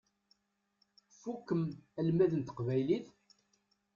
Tfukkem almad n teqbaylit?